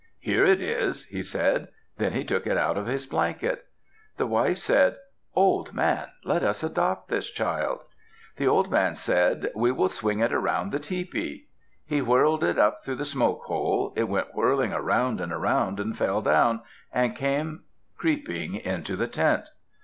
"Here it is," he said. Then he took it out of his blanket. The wife said, "Old man, let us adopt this child." The old man said, "We will swing it around the tepee." He whirled it up through the smoke hole. It went whirling around and around and fell down, and came creeping into the tent.